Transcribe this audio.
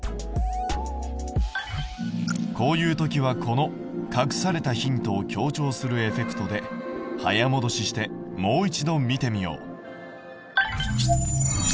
こういう時はこの隠されたヒントを強調するエフェクトで早もどししてもう一度見てみよう。